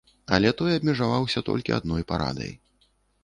Але той абмежаваўся толькі адной парадай.